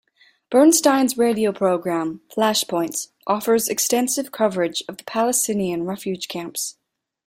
Bernstein's radio program, Flashpoints, offers extensive coverage of the Palestinian refugee camps.